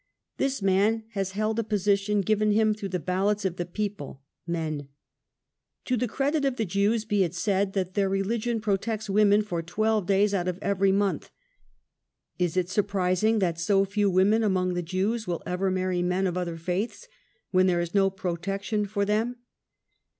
This man has held a pom tion given him through the ballots of the people,, {7ne7i.) To the credit of the Jews be it said, that their re ^^digion protects women for twelve days out of every \month. Is it surprising that so few women among the Jews will ever marry men of other faiths when there is no protection for them